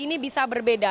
ini bisa berbeda